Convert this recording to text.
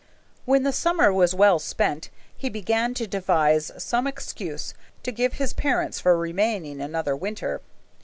When the summer was well spent, he began to devise some excuse to give his parents for remaining another winter.